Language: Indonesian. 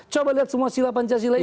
coba lihat semua sila pancasila ini